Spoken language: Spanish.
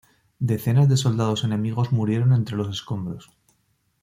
Decenas de soldados enemigos murieron entre los escombros.